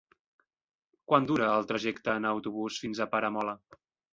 Quant dura el trajecte en autobús fins a Peramola?